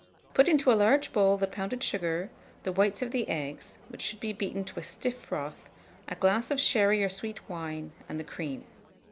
Put into a large bowl the pounded sugar, the whites of the eggs, which should be beaten to a stiff froth, a glass of sherry or sweet wine, and the cream.